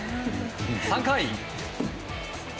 ３回。